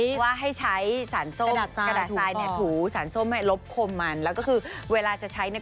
เพราะว่าให้ใช้สารส้มกระดาษทรายเนี่ยถูสารส้มให้ลบคมมันแล้วก็คือเวลาจะใช้เนี่ย